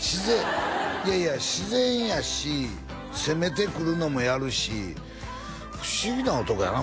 いやいや自然やし攻めてくるのもやるし不思議な男やな